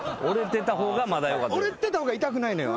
折れてた方が痛くないのよ。